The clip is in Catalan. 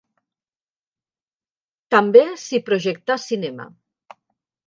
També s'hi projectà cinema.